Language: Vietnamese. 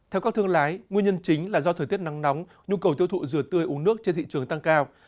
theo các thương lái nguyên nhân chính là do thời tiết nắng nóng nhu cầu tiêu thụ dừa tươi uống nước trên thị trường tăng cao